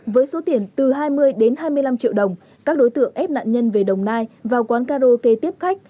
với số tiền từ hai mươi đến hai mươi năm triệu đồng các đối tượng ép nạn nhân về đồng nai vào quán karaoke tiếp khách